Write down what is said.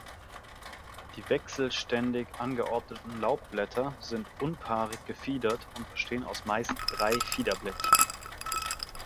Die wechselständig angeordneten Laubblätter sind unpaarig gefiedert und bestehen aus meist drei Fiederblättchen.